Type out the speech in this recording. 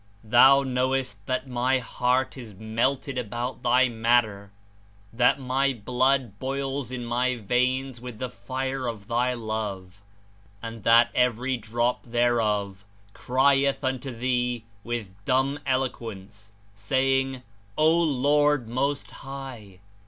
Thou knowest that my heart is melted about Thy matter, that my blood 70 bolls In my veins with the fire of Thy Love, and that every drop thereof crieth unto Thee with dumb elo quence, saying : O Lord Most High